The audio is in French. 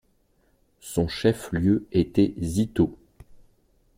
Son chef lieu était Zittau.